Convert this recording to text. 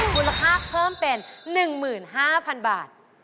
มูลค่าเพิ่มเป็น๑๕๐๐๐บาท